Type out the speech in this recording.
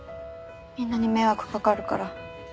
みんなに迷惑かかるから。